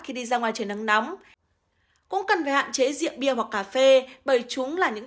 khi đi ra ngoài trời nắng nóng cũng cần phải hạn chế rượu bia hoặc cà phê bởi chúng là những